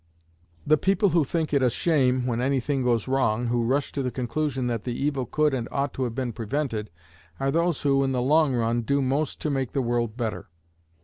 The people who think it a shame when any thing goes wrong who rush to the conclusion that the evil could and ought to have been prevented, are those who, in the long run, do most to make the world better.